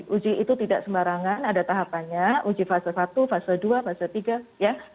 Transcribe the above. uji itu tidak sembarangan ada tahapannya uji fase satu fase dua fase tiga ya